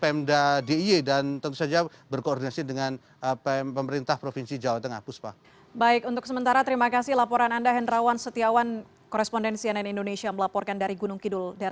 pemda d i e dan tentu saja berkoordinasi dengan pemerintah provinsi jawa tengah